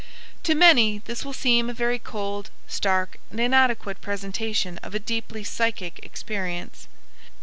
To many this will seem a very cold, stark, and inadequate presentation of a deeply psychic experience.